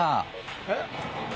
えっ？